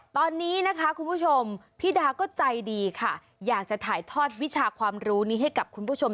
ตอนนี้นะคะคุณผู้ชมพี่ดาก็ใจดีค่ะอยากจะถ่ายทอดวิชาความรู้นี้ให้กับคุณผู้ชม